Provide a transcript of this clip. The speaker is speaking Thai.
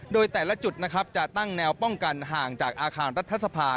โดยแต่ละจุดนะครับจะตั้งแนวป้องกันห่างจากอาคารรัฐสภา